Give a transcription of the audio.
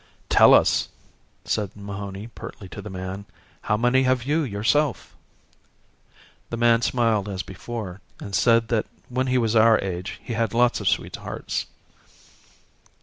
"Tell us," said Mahony pertly to the man, "how many have you yourself?" The man smiled as before and said that when he was our age he had lots of sweethearts.